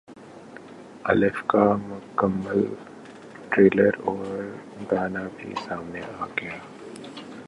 الف کا مکمل ٹریلر اور گانا بھی سامنے گیا